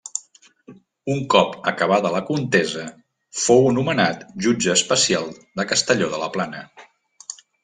Un cop acabada la contesa fou nomenat jutge especial a la Castelló de la Plana.